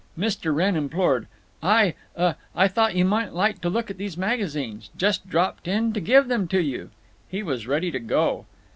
Mr. Wrenn implored: "I—uh—I thought you might like to look at these magazines. Just dropped in to give them to you." He was ready to go.